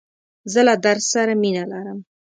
زه له درس سره مینه لرم.